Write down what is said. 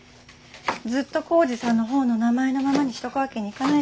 ずっと幸次さんの方の名前のままにしとくわけにいかないでしょ。